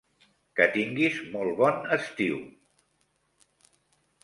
Que tinguis molt bon estiu!